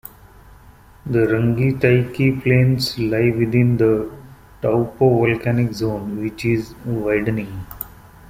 The Rangitaiki Plains lie within the Taupo Volcanic Zone, which is widening.